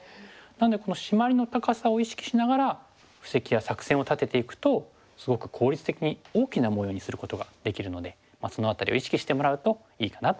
なのでこのシマリの高さを意識しながら布石や作戦を立てていくとすごく効率的に大きな模様にすることができるのでその辺りを意識してもらうといいかなと思います。